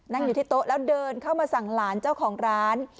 อยู่ที่โต๊ะแล้วเดินเข้ามาสั่งหลานเจ้าของร้าน